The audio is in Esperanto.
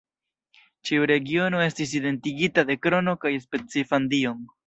Ĉiu regiono estis identigita de krono kaj specifan dion.